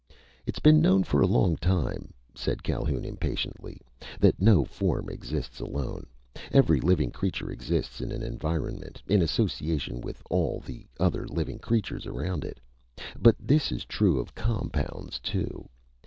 "It's been known for a long time," said Calhoun impatiently, "that no form exists alone. Every living creature exists in an environment, in association with all the other living creatures around it. But this is true of compounds, too!